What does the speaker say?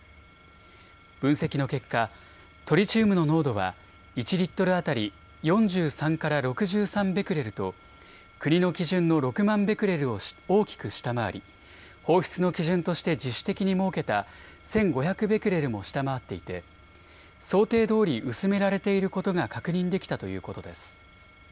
分析の結果、トリチウムの濃度は１リットル当たり４３から６３ベクレルと国の基準の６万ベクレルを大きく下回り放出の基準として自主的に設けた１５００ベクレルも下回っていて想定どおり薄められていることが確認できたということです。